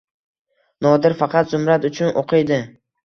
Nodir faqat Zumrad uchun o‘qiydi